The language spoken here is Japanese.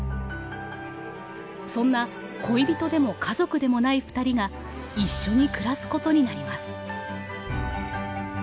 そんな恋人でも家族でもないふたりが一緒に暮らすことになります。